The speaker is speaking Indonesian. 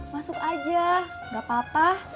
masuk aja gak apa apa